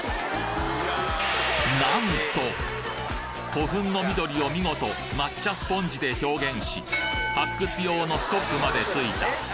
古墳の緑を見事抹茶スポンジで表現し発掘用のスコップまでついた！